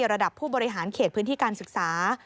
ระดับผู้บริหารเขตพื้นที่การศึกษา